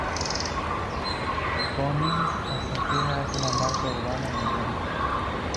Pony Argentina es una marca urbana y moderna.